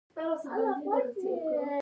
لمر رڼا راوړي.